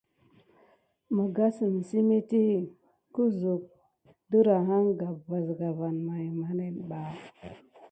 Məgasem semeti isik tembi siderbaka atdé kubula de maneda.